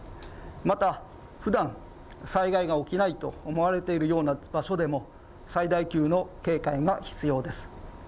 また、ふだん災害が起きないと思われているような場所でも最大級の警戒が必要です。